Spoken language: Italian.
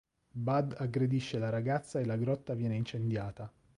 Bud aggredisce la ragazza e la grotta viene incendiata.